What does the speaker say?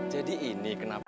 jadi ini kenapa